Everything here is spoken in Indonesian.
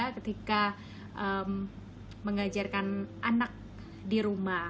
ketika mengajarkan anak di rumah